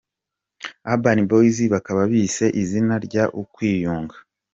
Urban boyz bakaba bise izina rya ‘Ukwiyunga’.